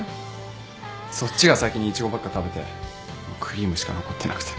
そっちが先にイチゴばっか食べてクリームしか残ってなくて。